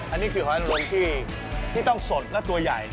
อันนี้คือหอยนรงที่ต้องสดและตัวใหญ่